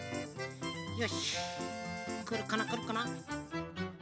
よしくるかなくるかな。